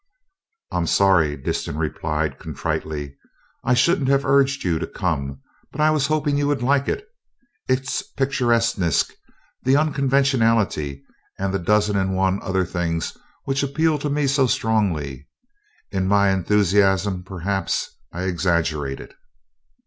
"I'm sorry," Disston replied contritely. "I shouldn't have urged you to come, but I was hoping you would like it its picturesqueness, the unconventionality, and the dozen and one other things which appeal to me so strongly. In my enthusiasm, perhaps I exaggerated."